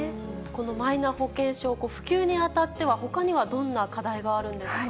このマイナ保険証、普及にあたっては、ほかにはどんな課題があるんですか。